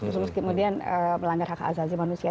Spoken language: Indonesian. terus kemudian melanggar hak azazi manusia